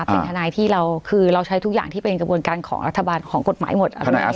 เป็นท่านายที่เราใช้ทุกอย่างที่เป็นกระบวนกันของกฎหมายหมด